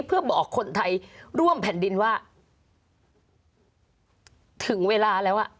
เพื่อบอกคนไทยร่วมแผ่นดินว่าถึงเวลาแล้วอ่ะ